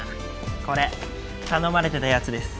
これ頼まれてたやつです。